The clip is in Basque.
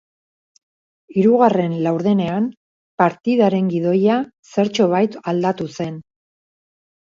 Hirugarren laurdenean partidaren gidoia zertxobait aldatu zen.